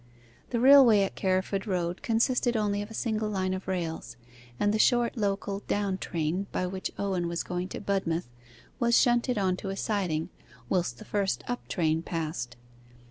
The railway at Carriford Road consisted only of a single line of rails; and the short local down train by which Owen was going to Budmouth was shunted on to a siding whilst the first up train passed.